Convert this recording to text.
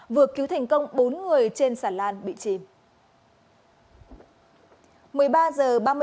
vừa cứu thành công bốn người trên sản lan bị chìm